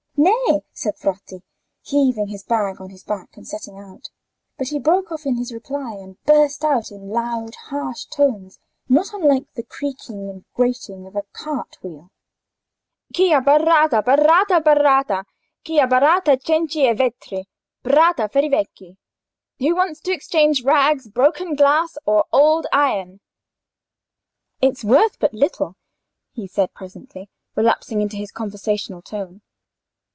Nay," said Bratti, heaving his bag on his back and setting out. But he broke off in his reply, and burst out in loud, harsh tones, not unlike the creaking and grating of a cart wheel: "Chi abbaratta—baratta—b'ratta—chi abbaratta cenci e vetri—b'ratta ferri vecchi?" ("Who wants to exchange rags, broken glass, or old iron?") "It's worth but little," he said presently, relapsing into his conversational tone.